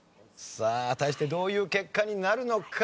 さあ果たしてどういう結果になるのか？